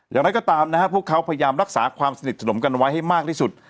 อย่างไรก็ตามนะฮะพวกเขาพยายามรักษาความสนิทสนมกันไว้ให้มากที่สุด